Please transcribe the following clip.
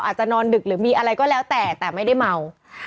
อาจจะนอนดึกหรือมีอะไรก็แล้วแต่แต่ไม่ได้เมา